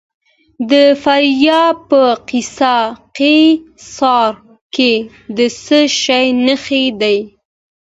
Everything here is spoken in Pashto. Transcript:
د فاریاب په قیصار کې د څه شي نښې دي؟